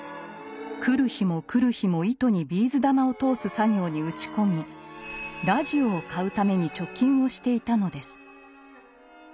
来る日も来る日も糸にビーズ玉を通す作業に打ち込みラジオを買うために貯金をしていたのです。